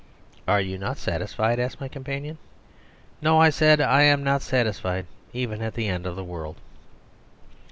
"Are you not satisfied?" asked my companion. "No," I said, "I am not satisfied even at the end of the world."